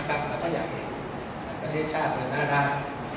กับประเทศชาติด้วยหน้ารัก